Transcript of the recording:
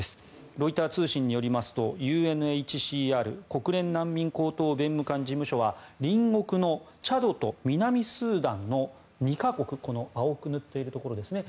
ロイター通信によりますとＵＮＨＣＲ・国連難民高等弁務官事務所は隣国のチャドと南スーダンの２か国この青く塗っているところですね